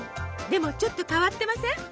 でもちょっと変わってません？